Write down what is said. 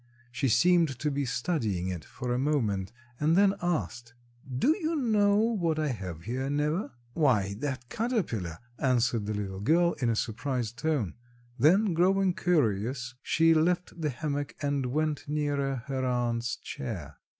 She seemed to be studying it for a moment and then asked, "Do you know what I have here, Neva?" "Why, that caterpillar," answered the little girl in a surprised tone. Then growing curious she left the hammock and went nearer her aunt's chair.